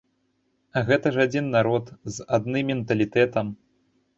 А гэта ж адзін народ, з адны менталітэтам.